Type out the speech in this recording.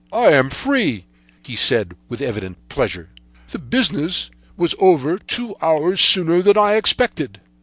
"'I am free,' he said, with evident pleasure. 'The business was over two hours sooner than I expected!'